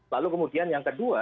lalu kemudian yang kedua